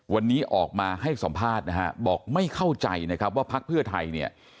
วันนี้ออกมาให้สัมภาษณ์นะฮะบอกไม่เข้าใจนะครับว่าพักเพื่อไทยเนี่ย